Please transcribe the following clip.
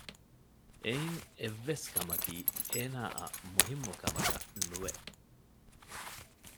އެއިން އެއްވެސް ކަމަކީ އޭނާއަށް މުހިންމުކަމަކަށް ނުވެ